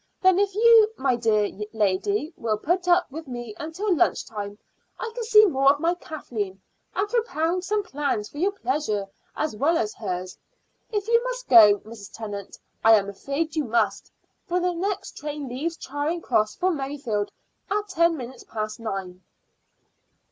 Then if you, my dear lady, will put up with me until lunch time, I can see more of my Kathleen, and propound some plans for your pleasure as well as hers. If you must go, Mrs. Tennant, I am afraid you must, for the next train leaves Charing Cross for Merrifield at ten minutes past nine."